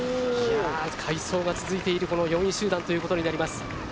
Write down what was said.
快走が続いているこの４位集団ということになります。